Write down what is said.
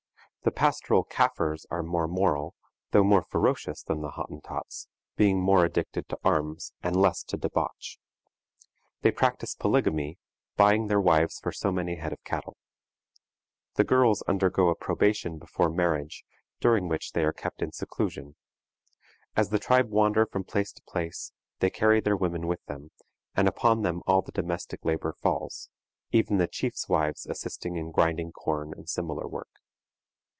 The pastoral Kaffirs are more moral, though more ferocious than the Hottentots, being more addicted to arms, and less to debauch. They practice polygamy, buying their wives for so many head of cattle. The girls undergo a probation before marriage, during which they are kept in seclusion. As the tribe wander from place to place, they carry their women with them, and upon them all the domestic labor falls, even the chief's wives assisting in grinding corn and similar work.